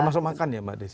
termasuk makan ya mbak desi